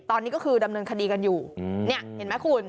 ตอนนี้ก็คือดำเนินคดีกันอยู่เนี่ยเห็นไหมคุณ